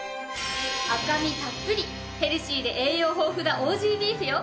赤身たっぷりヘルシーで栄養豊富なオージー・ビーフよ。